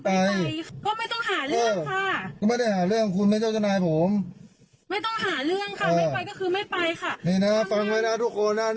ไฟแดงนะครับมันสั่งให้ผมบริการนะครับ